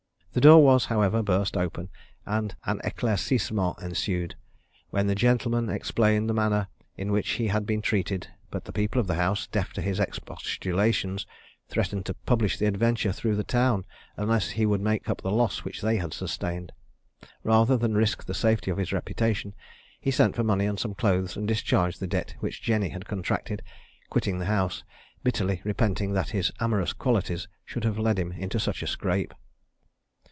The door was, however, burst open, and an éclaircissement ensued, when the gentleman explained the manner in which he had been treated; but the people of the house, deaf to his expostulations, threatened to publish the adventure through the town, unless he would make up the loss which they had sustained. Rather than risk the safety of his reputation, he sent for money and some clothes and discharged the debt which Jenny had contracted, quitting the house, bitterly repenting that his amorous qualities should have led him into such a scrape.